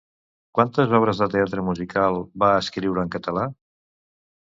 Quantes obres de teatre musical va escriure en català?